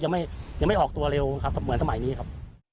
ยังไม่ออกตัวเร็วครับเหมือนสมัยนี้ครับ